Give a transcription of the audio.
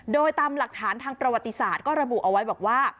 โดยตามหลักฐานทางประวัติศาสตร์ก็ระบุเอาไว้บอกว่า